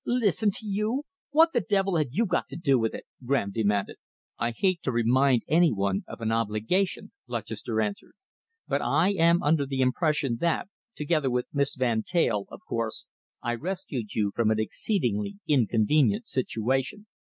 "Listen to you? What the devil have you got to do with it?" Graham demanded. "I hate to remind any one of an obligation," Lutchester answered, "but I am under the impression that, together with Miss Van Teyl, of course, I rescued you from an exceedingly inconvenient situation."